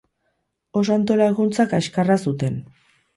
Oso antolakuntza kaxkarra zuten.